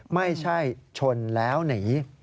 ไม่ใช่ชนแล้วหนี